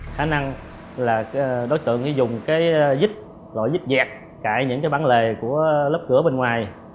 khả năng là đối tượng dùng cái dít loại dít dẹt cãi những cái bắn lề của lớp cửa bên ngoài